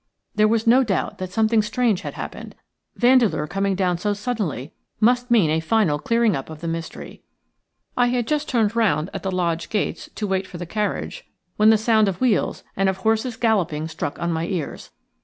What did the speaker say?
There was no doubt that something strange had happened. Vandeleur coming down so suddenly must mean a final clearing up of the mystery. I had just turned round at the lodge gates to wait for the carriage when the sound of wheels and of horses galloping struck on my ears.